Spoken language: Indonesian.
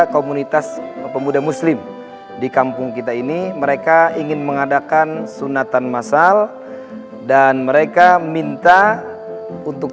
komunitas pemuda muslim di kampung kita ini mereka ingin mengadakan sunatan masal dan mereka minta untuk